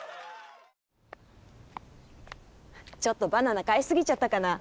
ちょっとバナナかいすぎちゃったかな！